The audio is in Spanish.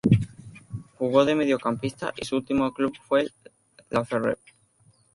Jugó de Mediocampista y su último club fue Laferrere.